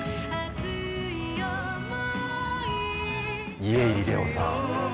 家入レオさん。